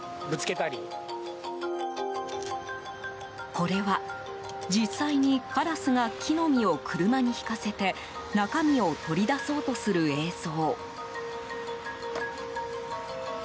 これは実際にカラスが木の実を車にひかせて中身を取り出そうとする映像。